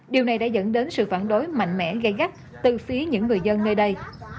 điều này đã dẫn đến sự phản đối mạnh mẽ gây gắt từ phía những người dân nơi đây